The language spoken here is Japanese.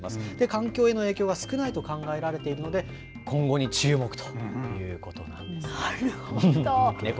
環境への影響が少ないと考えられているので、今後に注目というこなるほど。